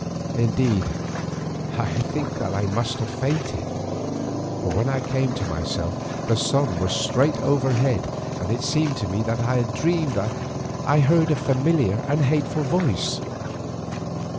Indeed, I think that I must have fainted, for when I came to myself the sun was straight overhead, and it seemed to me that I had dreamed I heard a familiar and hateful voice.